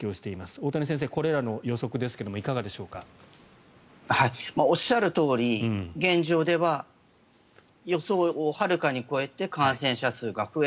大谷先生、これまでの予測はおっしゃるとおり現状では予想をはるかに超えて感染者数が増え